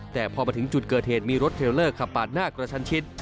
แต่พอมาถึงจุดเกิดเหตุมีรถเทลเลอร์ขับปากหน้ากระชันชิด